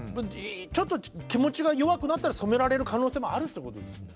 ちょっと気持ちが弱くなったら染められる可能性もあるってことですか？